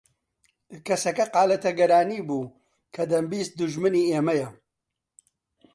کەسەکە قالە تەگەرانی بوو کە دەمبیست دوژمنی ئێمەیە